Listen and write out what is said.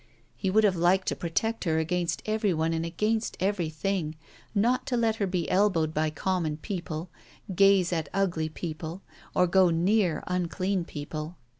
He would have liked to protect her against everyone and against everything, not to let her be elbowed by common people, gaze at ugly people, or go near unclean people.